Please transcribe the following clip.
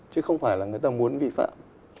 chứ không phải là người ta muốn vi phạm